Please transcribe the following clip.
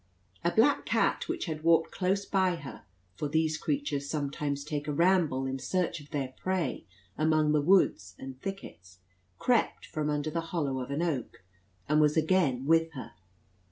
A black cat, which had walked close by her for these creatures sometimes take a ramble in search of their prey among the woods and thickets crept from under the hollow of an oak, and was again with her.